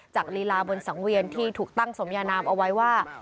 ลีลาบนสังเวียนที่ถูกตั้งสมยานามเอาไว้ว่า